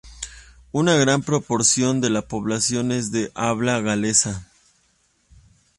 Una gran proporción de la población es de habla galesa.